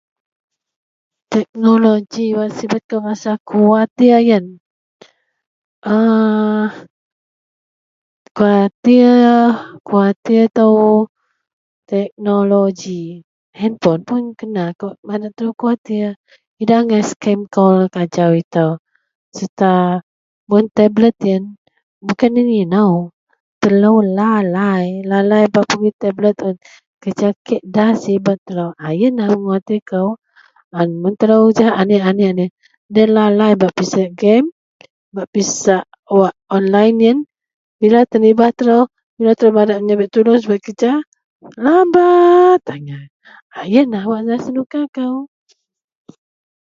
Teknoloji wak sibet kou masa kuwatir iyen aaa kuwatir...kuwatir ito teknoloji hanpon puon kena kawak madak telo kuwatir idak angai skem kol ajau ito serta mun tablet iyen bukan iyen ino telo lalai, lalai bak pegoi tablet un telo kereja kek da sibet telo iyenlah kuwatir kou. Mun telo jegem anek-anek loyen lalai bak pisak gem bak pisak online iyenlah bila tenibah telo mun telo madak subet kereja labat angai lalai iyenlah wak da senuka kou.